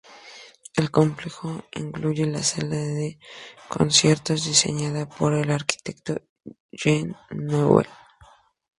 El complejo incluye la Sala de Conciertos diseñada por el arquitecto Jean Nouvel.